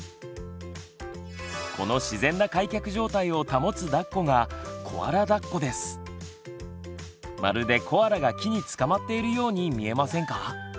この自然な開脚状態を保つだっこがまるでコアラが木につかまっているように見えませんか？